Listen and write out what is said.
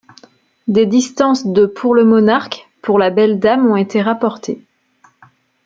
Des distances de pour le Monarque, pour la Belle-Dame ont été rapportées.